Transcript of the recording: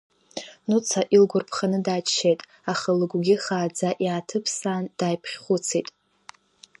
Нуца илгәарԥханы дааччеит, аха лыгәгьы хааӡа иааҭыԥсаан дааиԥхьхәыцит…